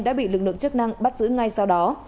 đã bị lực lượng chức năng bắt giữ ngay sau đó